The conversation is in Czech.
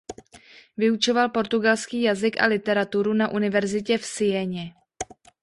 Vyučoval portugalský jazyk a literaturu na univerzitě v Sieně.